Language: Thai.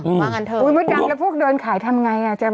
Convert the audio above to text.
อุ๊ยมันดับแล้วพวกเดินขายทำไง